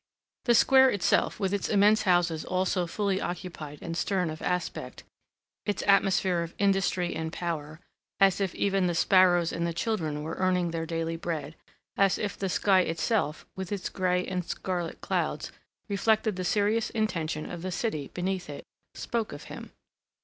The square itself, with its immense houses all so fully occupied and stern of aspect, its atmosphere of industry and power, as if even the sparrows and the children were earning their daily bread, as if the sky itself, with its gray and scarlet clouds, reflected the serious intention of the city beneath it, spoke of him.